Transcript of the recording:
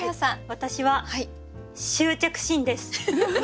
私は「執着心」です。